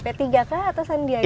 p tiga k atau sandiaga